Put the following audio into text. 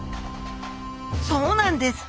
そうなんです！